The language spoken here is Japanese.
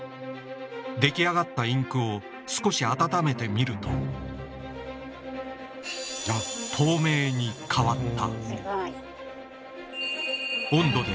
出来上がったインクを少し温めてみると画期的な発明だった。